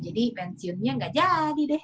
jadi pensiunnya nggak jadi deh